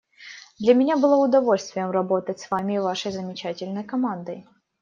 Для меня было удовольствием работать с Вами и Вашей замечательной командой.